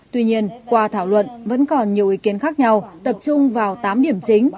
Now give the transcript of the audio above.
tuy nhiên qua thảo luận vẫn còn nhiều ý kiến khác nhau tập trung vào tám điểm chính